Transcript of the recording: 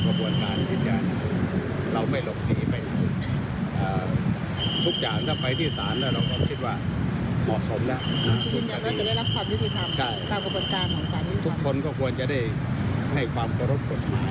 ก็ให้เป็นไปตามกระบวนการทุจิตแห่ง